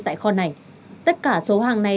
tại kho này tất cả số hàng này